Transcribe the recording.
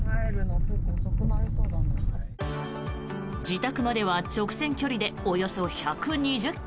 自宅までは直線距離でおよそ１２０ｋｍ。